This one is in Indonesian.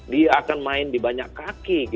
dia akan main di banyak kaki